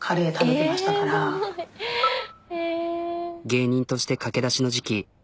芸人として駆け出しの時期。